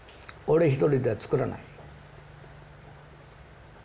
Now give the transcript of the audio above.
俺一人では作らんよ。